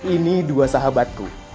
ini dua sahabatku